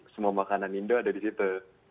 semua makanan indo ada di situ